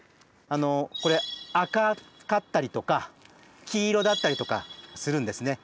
これ赤かったりとか黄色だったりとかするんですね。